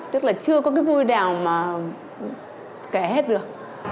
tức là chưa có cái vui đào mà kể hết được